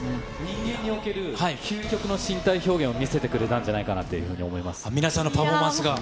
人間における究極の身体表現を見せてくれたんじゃないかなと皆さんのパフォーマンスが？